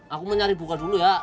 aku mau nyari buka dulu ya